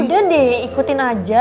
udah deh ikutin aja